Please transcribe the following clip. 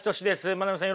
真鍋さん